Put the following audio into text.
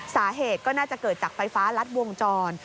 สาเหตุก็น่าจะเกิดจากไฟฟ้ารัดวงจร